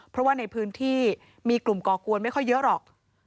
เพราะว่าในพื้นที่มีกลุ่มก่อกวนไม่ค่อยเยอะหรอก